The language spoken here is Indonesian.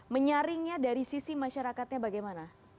menyaringnya dari sisi masyarakatnya bagaimana